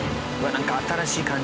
なんか新しい感じ。